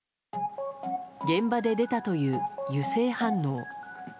現場で出たという、油性反応。